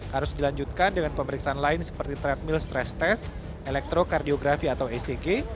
harus dilanjutkan dengan pemeriksaan lain seperti tradmill stress test elektrokardiografi atau ecg